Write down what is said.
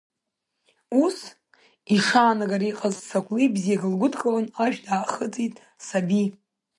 Ус, ишаанагара иҟаз сакәлеи бзиак лгәыдкыланы, ашә даахыҵит Саби.